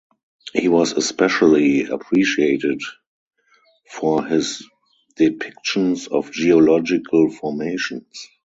He was especially appreciated for his depictions of geological formations.